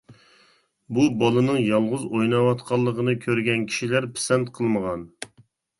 بۇ بالىنىڭ يالغۇز ئويناۋاتقانلىقىنى كۆرگەن كىشىلەر پىسەنت قىلمىغان.